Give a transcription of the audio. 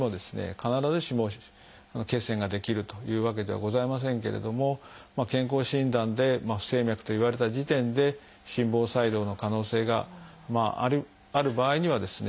必ずしも血栓が出来るというわけではございませんけれども健康診断で不整脈と言われた時点で心房細動の可能性がある場合にはですね